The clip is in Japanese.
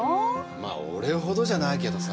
まあ俺ほどじゃないけどさ。